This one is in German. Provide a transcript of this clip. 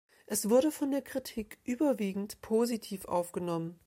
Es wurde von der Kritik überwiegend positiv aufgenommen.